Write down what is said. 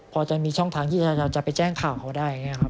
พอจะมีช่องทางที่จะไปแจ้งข่าวเขาได้